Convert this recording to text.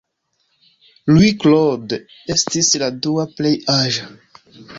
Louis-Claude estis la dua plej aĝa.